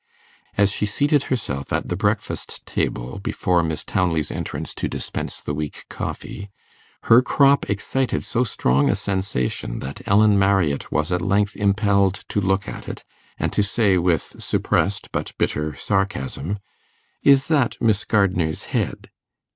As she seated herself at the breakfast table before Miss Townley's entrance to dispense the weak coffee, her crop excited so strong a sensation that Ellen Marriott was at length impelled to look at it, and to say with suppressed but bitter sarcasm, 'Is that Miss Gardner's head?